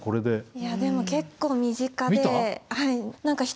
いやでも結構身近で。